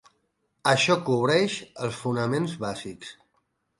Això cobreix els fonaments bàsics.